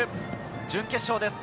準決勝です。